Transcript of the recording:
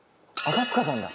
赤塚さんだ。